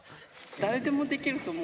誰でもできると思う。